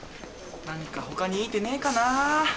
何かほかにいい手ねえかな。